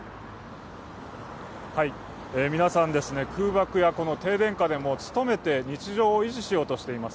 皆さん、空爆や停電下でも努めて日常を維持しようとしています。